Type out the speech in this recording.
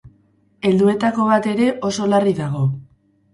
Helduetako bat ere oso larri dago.